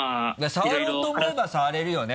触ろうと思えば触れるよね？